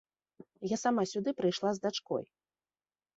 Я сама сюды прыйшла з дачкой.